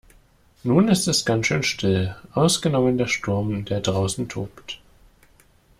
Nun ist es ganz schön still, ausgenommen der Sturm, der draußen tobt.